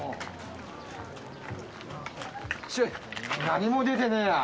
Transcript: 何も出てねえや。